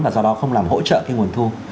và do đó không làm hỗ trợ cái nguồn thu